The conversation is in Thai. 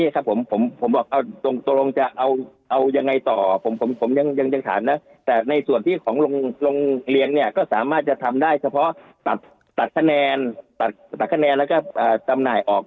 เต็มเวลาออกแล้วก็จำนายออก